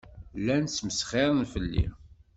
Llan smesxiren fell-i.